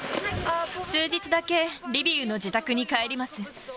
数日だけリビウの自宅に帰ります。